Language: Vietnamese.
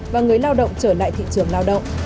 và người lao động trở lại thị trường lao động